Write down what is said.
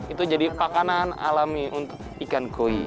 itu jadi kekanan alami untuk ikan kuih